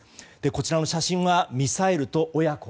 こちらの写真はミサイルと親子。